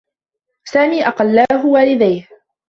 سامي أقلّاه والديه.